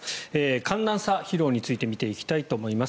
寒暖差疲労について見ていきたいと思います。